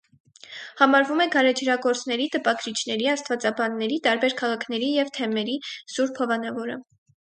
Համարվում է գարեջրագործների, տպագրիչների, աստվածաբանների, տարբեր քաղաքների և թեմերի սուրբ հովանավորը։